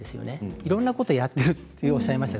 いろいろなことをやっているとおっしゃっていました。